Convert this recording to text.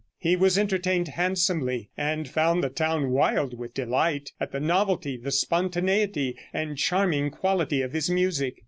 He was entertained handsomely, and found the town wild with delight, at the novelty, the spontaneity and charming quality of his music.